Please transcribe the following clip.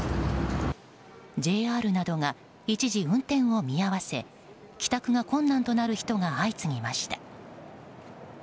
ＪＲなどが一時運転を見合わせ帰宅が困難となる人が相次ぎました。